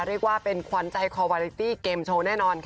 เรียกว่าเป็นขวัญใจคอวาเลตี้เกมโชว์แน่นอนค่ะ